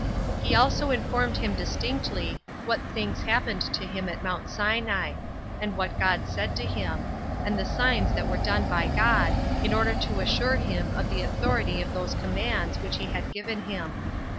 He also informed him distinctly what things happened to him at Mount Sinai; and what God said to him; and the signs that were done by God, in order to assure him of the authority of those commands which he had given him.